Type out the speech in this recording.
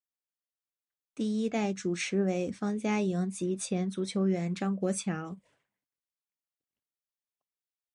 第一代主持为方嘉莹及前足球员张国强。